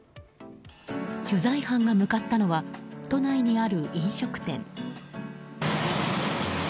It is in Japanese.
取材班が向かったのは都内にある飲食店。